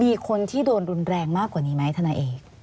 มีคนที่โดนรุนแรงมากกว่านี้ไหมธนาเอก